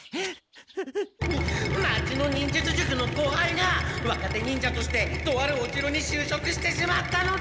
町の忍術塾の後輩が若手忍者としてとあるお城に就職してしまったのだ！